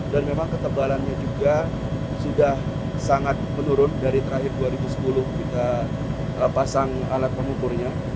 memang ketebalannya juga sudah sangat menurun dari terakhir dua ribu sepuluh kita pasang alat pengukurnya